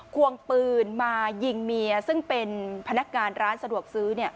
ควงปืนมายิงเมียซึ่งเป็นพนักงานร้านสะดวกซื้อ